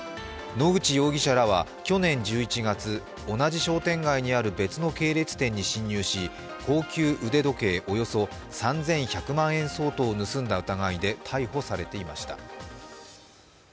野口容疑者らは去年１１月同じ商店街にある別の系列店に侵入し高級腕時計およそ３１００万円相当を盗んだ疑いで逮捕されていました。